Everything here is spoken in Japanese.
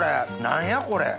何やこれ。